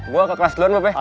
gue ke kelas duluan bapak ya